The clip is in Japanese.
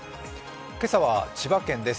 今朝は千葉県です。